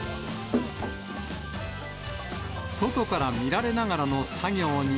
外から見られながらの作業に。